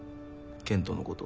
健斗のこと。